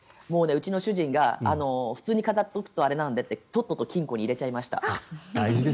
うちの主人が普通に飾っておくとあれなのでとっとと金庫に入れちゃいました。